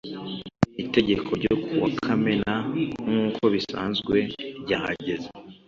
Itegeko ryo kuwa Kamena nk uko bisanzwe ryahageze